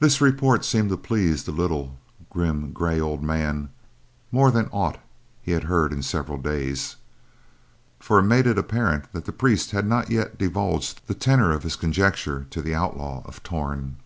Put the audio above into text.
This report seemed to please the little, grim, gray old man more than aught he had heard in several days; for it made it apparent that the priest had not as yet divulged the tenor of his conjecture to the Outlaw of Torn.